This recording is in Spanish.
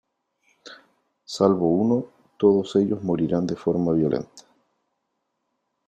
Salvo uno, todos ellos morirán de forma violenta.